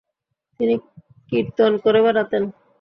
তিনি কীর্তন করে বেড়াতেন।